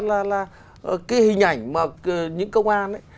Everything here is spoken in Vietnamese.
cái hình ảnh mà những công an